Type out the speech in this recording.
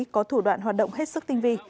có thủ đoạn hoạt động hết sức tinh vi